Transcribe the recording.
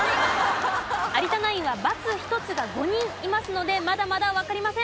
有田ナインはバツ１つが５人いますのでまだまだわかりません。